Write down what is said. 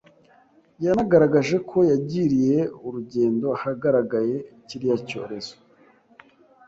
yanagaragaje ko yagiriye urugendo ahagaragaye kiriya cyorezo